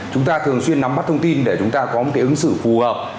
chúng ta thường xuyên nắm bắt thông tin để chúng ta có một cái ứng xử phù hợp